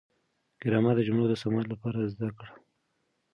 ګرامر د جملو د سموالي لپاره زده کړئ.